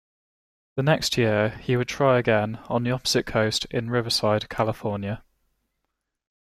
The next year, he would try again, on the opposite coast, in Riverside, California.